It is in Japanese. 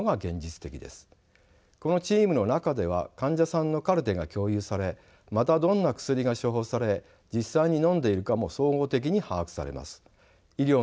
このチームの中では患者さんのカルテが共有されまたどんな薬が処方され実際にのんでいるかも総合的に把握されます。